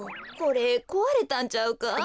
これこわれたんちゃうか？